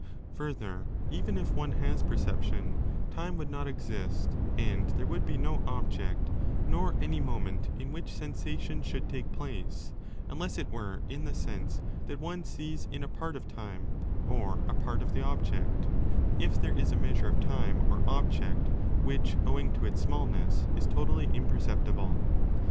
Further, 448 b even if one has perception, time would not exist and there would be no object nor any moment in which sensation should take place, unless it were in the sense that one sees in a part of time or a part of the object, if there is a measure of time or object, which, owing to its smallness, is totally imperceptible.